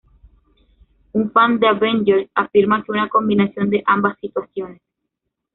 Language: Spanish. Un fan de "Avengers" afirma que una combinación de ambas situaciones.